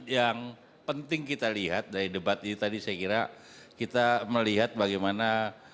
jadi yang penting kita lihat dari debat ini tadi saya kira kita melihat bagaimana